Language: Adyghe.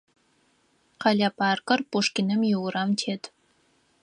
Къэлэ паркыр Пушкиным иурам тет.